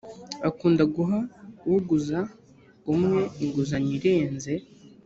akunda guha uguza umwe inguzanyo irenze